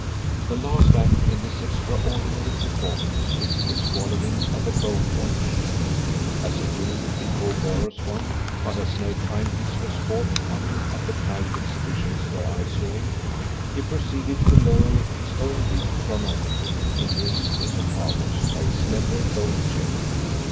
The last act in this extraordinary performance is the swallowing of a gold watch. As a rule, Cliquot borrows one, but as no timepiece was forthcoming at the private exhibition where I saw him, he proceeded to lower his own big chronometer into his aesophagus by a slender gold chain.